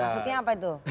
maksudnya apa itu